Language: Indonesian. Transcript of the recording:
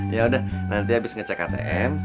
ya udah nanti habis ngecek atm